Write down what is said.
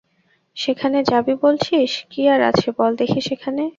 সেখানে যাবি বলছিস, কি আর আছে বল দেখি সেখানে?